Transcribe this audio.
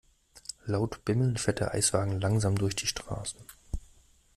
Laut bimmelnd fährt der Eiswagen langsam durch die Straßen.